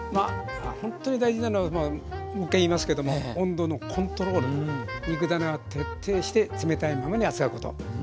ほんとに大事なのはもう１回言いますけども温度のコントロール肉ダネは徹底して冷たいままに扱うこと。